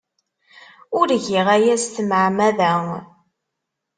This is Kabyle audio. Ur giɣ aya s tmeɛmada.